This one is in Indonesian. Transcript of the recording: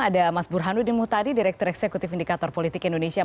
ada mas burhanuddin muhtadi direktur eksekutif indikator politik indonesia